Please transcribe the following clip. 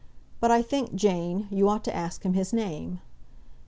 "But I think, Jane, you ought to ask him his name."